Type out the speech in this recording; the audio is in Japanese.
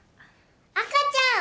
赤ちゃん！